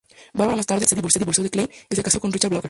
Barbara más tarde se divorció de Klein y se casó con Richard Bauer.